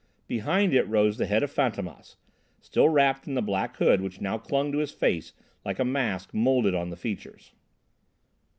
Behind it rose the head of Fantômas, still wrapped in the black hood which now clung to his face like a mask moulded on the features.